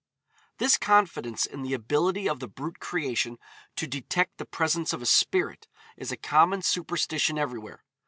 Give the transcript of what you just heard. This confidence in the ability of the brute creation to detect the presence of a spirit, is a common superstition everywhere.